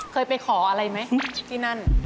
เคยไปขออะไรไหมที่นั่น